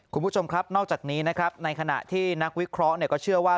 คุณผู้ชมครับนอกจากนี้นะครับในขณะที่นักวิเคราะห์ก็เชื่อว่า